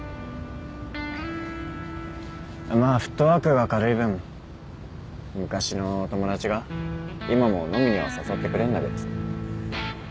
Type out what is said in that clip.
まあフットワークが軽い分昔の友達が今も飲みには誘ってくれんだけどさ